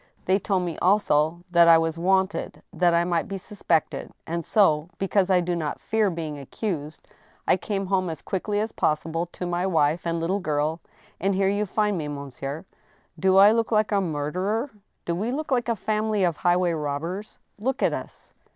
They told me, also, that I was lyanted— that I might be suspected ; and so, because I do not fear being accused, I came home as quickly as possible to ~my wife and 100 THE STEEL HAMMER. little girl, and here you find me, monsieur. Do I look like a mur derer? Do we look like a family of highway' robbers? Look at us."